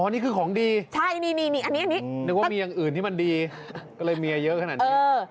อ๋อนี่คือของดีนึกว่ามีอย่างอื่นที่มันดีก็เลยเมียเยอะขนาดนี้